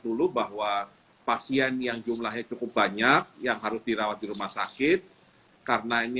dulu bahwa pasien yang jumlahnya cukup banyak yang harus dirawat di rumah sakit karena ini